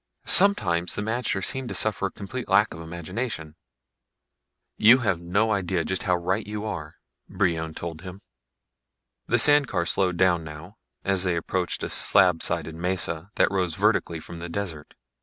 Sometimes the magter seem to suffer from a complete lack of imagination." "You have no idea just how right you are," Brion told him. The sand car slowed down now, as they approached a slab sided mesa that rose vertically from the desert.